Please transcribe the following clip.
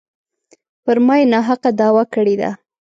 پر ما یې ناحقه دعوه کړې ده.